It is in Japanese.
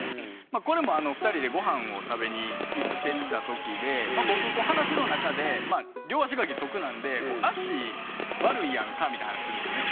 これも２人でごはんを食べに行ってた時で僕話の中で両足が義足なんでみたいな話するんですよね。